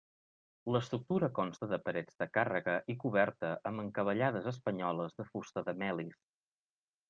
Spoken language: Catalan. L'estructura consta de parets de càrrega i coberta amb encavallades espanyoles de fusta de melis.